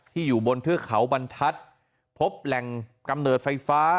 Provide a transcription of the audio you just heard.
อยู่บนเทือกเขาบรรทัศน์พบแหล่งกำเนิดไฟฟ้า